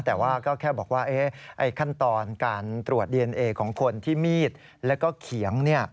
แต่ว่าก็แค่บอกว่าขั้นตอนการตรวจดีเอนเอของคนที่มีดแล้วก็เขียง